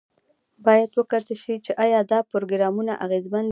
باید وکتل شي چې ایا دا پروګرامونه اغیزمن دي که نه.